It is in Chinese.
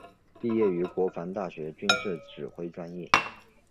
毕业于国防大学军事指挥专业。